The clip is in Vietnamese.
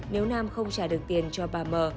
nếu nam không trả được tiền cho bà m